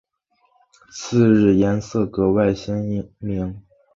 次日颜色格外鲜明。